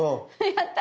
やった！